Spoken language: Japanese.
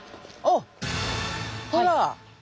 あっほら！